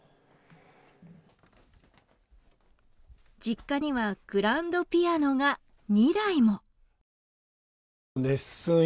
実家にはグランドピアノが２台も。